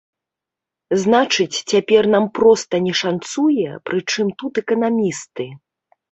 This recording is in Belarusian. Значыць, цяпер нам проста не шанцуе, прычым тут эканамісты?